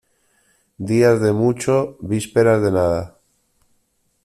Días de mucho, vísperas de nada.